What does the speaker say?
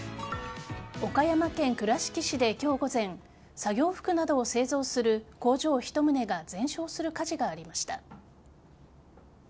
岡山県倉敷市で今日午前作業服などを製造する工場１棟が全焼する火事がありました。